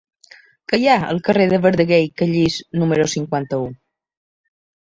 Què hi ha al carrer de Verdaguer i Callís número cinquanta-u?